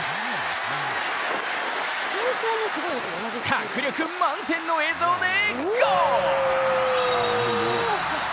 迫力満点の映像でゴール！